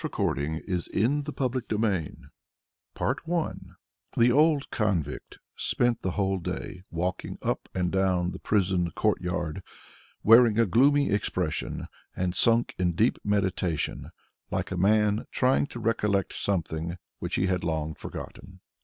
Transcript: "] THE LUCK OF IVAN THE FORGETFUL I The old convict spent the whole day walking up and down the prison courtyard, wearing a gloomy expression and sunk in deep meditation like a man trying to recollect something which he had long forgotten.